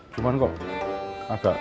cuman kok agak